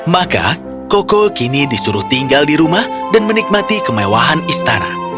maka koko kini disuruh tinggal di rumah dan menikmati kemewahan istana